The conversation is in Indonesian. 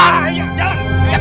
ate mukut singcang lu